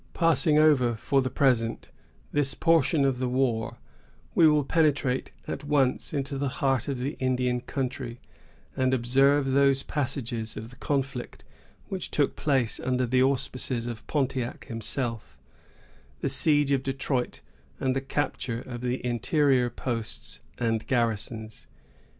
Passing over, for the present, this portion of the war, we will penetrate at once into the heart of the Indian country, and observe those passages of the conflict which took place under the auspices of Pontiac himself,——the siege of Detroit, and the capture of the interior posts and garrisons.